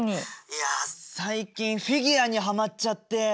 いや最近フィギュアにハマっちゃって。